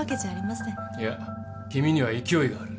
いや君には勢いがある。